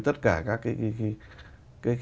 tất cả các cái